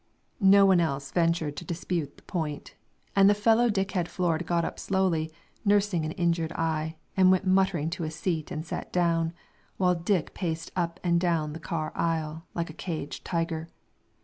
No one else ventured to dispute the point, and the fellow Dick had floored got slowly up, nursing an injured eye, and went muttering to a seat and sat down, while Dick paced up and down the car aisle, like a caged tiger.